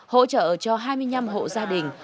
hỗ trợ cho hai mươi năm hộ gia đình